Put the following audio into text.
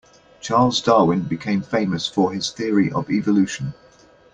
Charles Darwin became famous for his theory of evolution.